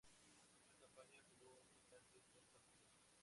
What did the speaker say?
Esa campaña jugó un total de seis partidos.